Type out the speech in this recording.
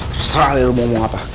terserah deh lu mau ngomong apa